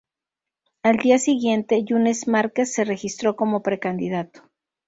Al día siguiente, Yunes Márquez se registró como precandidato.